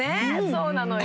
そうなのよ。